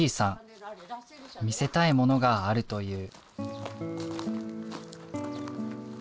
見せたいものがあると言う。